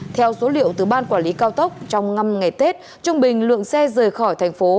theo số liệu từ ban quản lý cao tốc trong năm ngày tết trung bình lượng xe rời khỏi thành phố